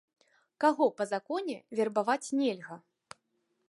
Каго па законе вербаваць нельга?